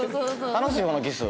楽しい方のキス？